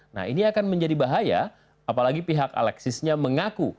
nah ini akan menjadi bahaya apalagi pihak alexisnya mengaku